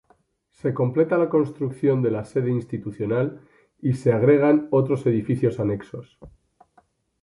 Se completa la construcción de la sede institucional y se agregan otros edificios anexos.